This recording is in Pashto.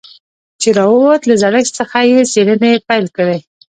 چې راووت له زړښت څخه يې څېړنې پيل کړې.